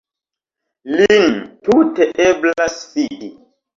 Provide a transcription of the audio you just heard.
Lin tute eblas fidi.